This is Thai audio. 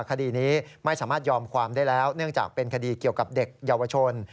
คดีนี้ไม่สามารถยอมความได้แล้วเนื่องจากเป็นคดีเกี่ยวกับเด็กเยาวชน